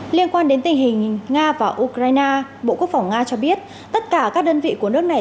liên quan đến tình hình nga và ukraine bộ quốc phòng nga cho biết tất cả các đơn vị của nước này